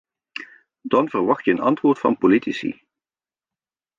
Dan verwacht je een antwoord van politici.